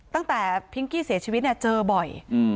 พิงกี้เสียชีวิตเนี่ยเจอบ่อย